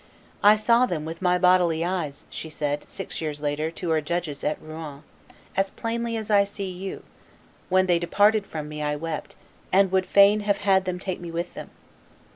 "I saw them with my bodily eyes," she said, six years later, to her judges at Rouen, "as plainly as I see you; when they departed from me I wept, and would fain have had them take me with them."